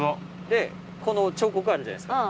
でこの彫刻あるじゃないですか。